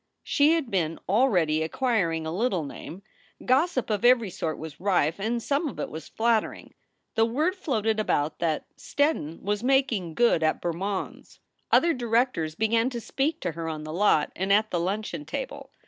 She had been already acquiring a little name. Gossip of every sort was rife, and some of it was flattering. The word floated about that "Steddon was making good at Ber mond s." 272 SOULS FOR SALE Other directors began to speak to her on the lot and at the luncheon table.